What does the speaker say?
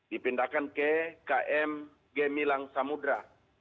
dipindahkan ke km gemilang samudera